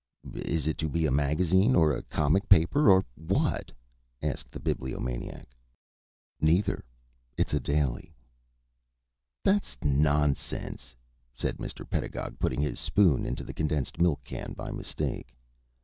"Is it to be a magazine, or a comic paper, or what?" asked the Bibliomaniac. "Neither. It's a daily." "That's nonsense," said Mr. Pedagog, putting his spoon into the condensed milk can by mistake.